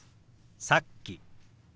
「さっき」。